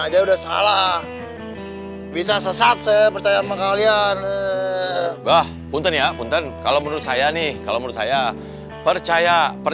jadikan suruh percaya